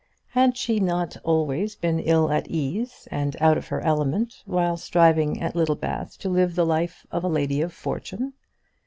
Had she not always been ill at ease, and out of her element, while striving at Littlebath to live the life of a lady of fortune?